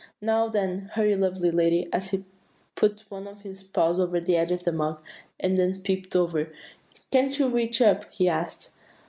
'Now, then, hurry, lovely lady,' and he put one of his paws over the top of the mug, and then peeped over. 'Can't you reach up?' he asked.